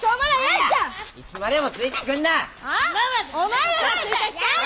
いつまでもついてくんな！